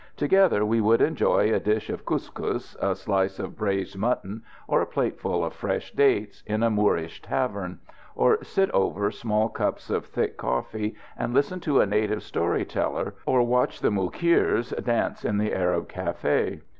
Together we would enjoy a dish of kus kus, a slice of braised mutton, or a plateful of fresh dates, in a Moorish tavern; or sit over small cups of thick coffee and listen to a native story teller, or watch the Moukirs dance in an Arab café.